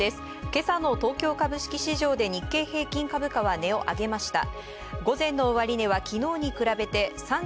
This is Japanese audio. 今朝の東京株式市場で日経平均株価は値を上げました。